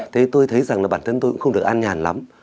thế tôi thấy rằng là bản thân tôi cũng không được ăn nhàn lắm